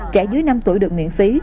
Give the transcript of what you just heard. trẻ dưới năm tuổi được miễn phí